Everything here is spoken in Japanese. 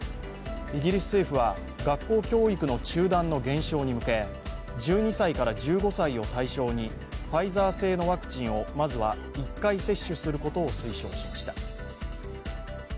イギリス政府は学校教育の中断の減少に向け、１２歳から１５歳を対象に、ファイザー製のワクチンを、まずは１回接種することを推奨しました。